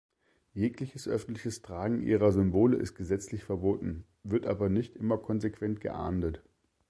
Jegliches öffentliches Tragen ihrer Symbole ist gesetzlich verboten, wird aber nicht immer konsequent geahndet.